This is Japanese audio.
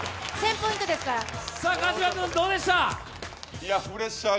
川島君、どうでした？